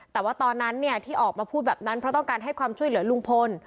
แต่ว่าตอนนั้นที่ออกมาพูดแบบนั้นเพราะต้องการให้ความช่วยเหลือลุงพล